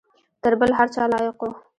تر بل هر چا لایق وو.